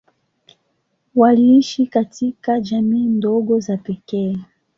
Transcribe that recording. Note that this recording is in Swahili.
Waliishi katika jamii ndogo za pekee.